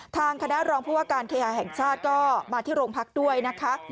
ทางคณะรองผู้ว่าการเคหาแห่งชาติก็มาที่โรงพักด้วยนะคะ